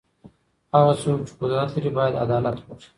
هغه څوک چي قدرت لري بايد عدالت وکړي.